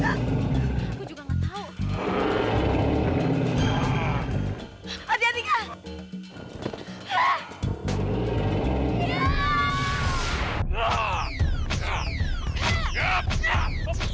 aku juga nggak tau